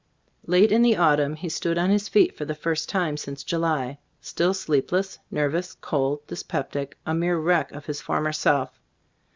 Late in the autumn he stood on his feet for the first time since July. Still tTbe stors or As Cbfiaboofc 83 sleepless, nervous, cold, dyspeptic — a mere wreck of his former self.